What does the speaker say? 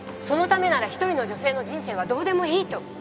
そのためなら一人の女性の人生はどうでもいいと？